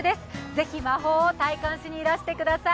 ぜひ魔法を体感しにいらしてください。